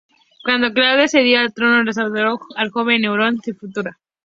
Cuando Claudio ascendió al trono restauró al joven Nerón su fortuna.